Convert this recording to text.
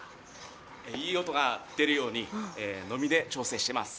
いい音が出るようにノミで調整しています。